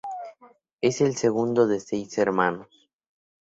Es el segundo de seis hermanos.